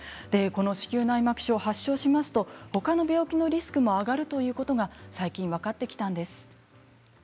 この子宮内膜症発症しますとほかの病気のリスクも上がるということが最近分かってきました。